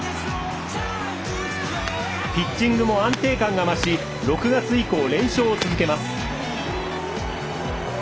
ピッチングも安定感が増し６月以降、連勝を続けます。